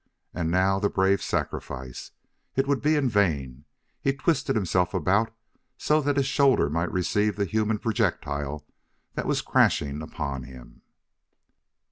And now the brave sacrifice! It would be in vain. He twisted himself about, so that his shoulder might receive the human projectile that was crashing upon him.